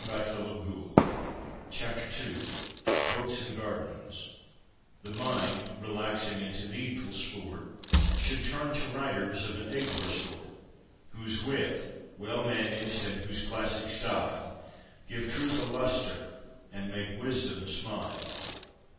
II BOOKS AND GARDENS II BOOKS AND GARDENS The mind relaxing into needful sport, Should turn to writers of an abler sort, Whose wit well managed, and whose classic style Give truth a lustre and make wisdom smile.